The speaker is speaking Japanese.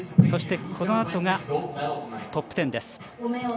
そして、このあとがトップ１０です。